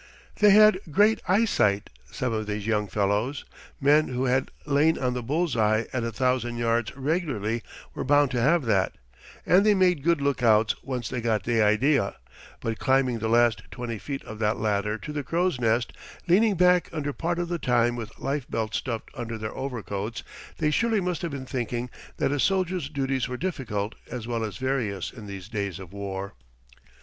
They had great eyesight, some of these young fellows men who had lain on the bull's eye at a thousand yards regularly were bound to have that and they made good lookouts once they got the idea, but climbing the last twenty feet of that ladder to the crow's nest, leaning back under part of the time with life belt stuffed under their overcoats they surely must have been thinking that a soldier's duties were difficult as well as various in these days of war.